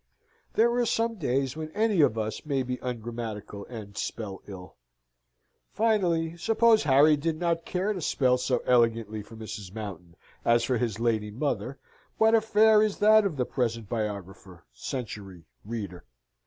There are some days when any of us may be ungrammatical and spell ill. Finally, suppose Harry did not care to spell so elegantly for Mrs. Mountain as for his lady mother, what affair is that of the present biographer, century, reader?